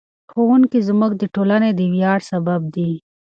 ښوونکي زموږ د ټولنې د ویاړ سبب دي.